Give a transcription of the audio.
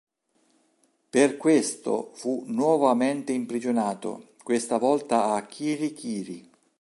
Per questo fu nuovamente imprigionato, questa volta a Kiri Kiri.